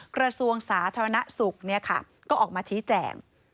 กระทรวงสาธารณสุขก็ออกมาชี้แจง